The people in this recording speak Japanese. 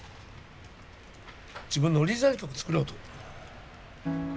自分のオリジナル曲作ろうと。